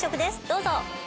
どうぞ。